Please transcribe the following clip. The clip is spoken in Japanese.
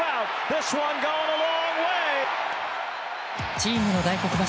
チームの大黒柱